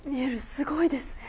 すごいですね。